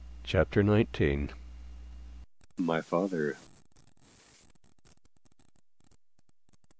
CHAPTER NINETEEN. MY FATHER.